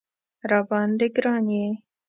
راباندې ګران یې